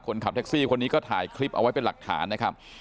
คนขับแท็กซี่คนนี้ก็ถ่ายคลิปเอาไว้เป็นหลักฐานนะครับ